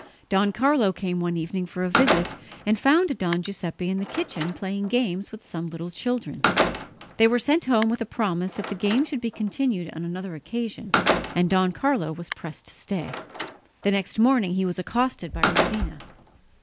Don Carlo came one evening for a visit, and found Don Giuseppe in the kitchen playing games with some little children. They were sent home with a promise that the game should be continued on another occasion, and Don Carlo was pressed to stay. The next morning he was accosted by Rosina.